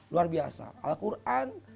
luar biasa al quran